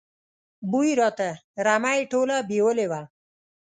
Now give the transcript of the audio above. بوی راته، رمه یې ټوله بېولې وه.